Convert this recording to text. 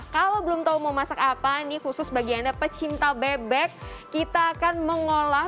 kalau belum tahu mau masak apa nih khusus bagi anda pecinta bebek kita akan mengolah